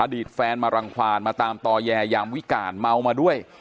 ตแฟนมารังความมาตามต่อแยยามวิการเมามาด้วย